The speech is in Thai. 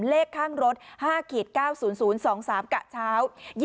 เลขข้างรถ๕๙๐๐๒๓กะเช้า